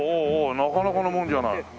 なかなかのもんじゃない。